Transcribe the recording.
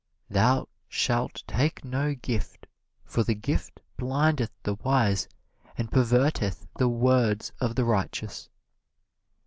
"Thou shalt take no gift: for the gift blindeth the wise and perverteth the words of the righteous."